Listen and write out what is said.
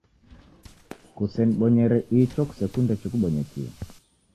Kusenibonyere icho kusekunde chikubonyekie.